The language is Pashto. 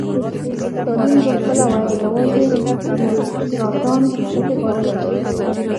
ستالین به خپله ویل یوازې بیروکراټان فکر کولای شي.